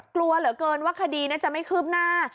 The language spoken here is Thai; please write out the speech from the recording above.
กลัวเหลือเกินว่าคดีจะไม่คืบหน้า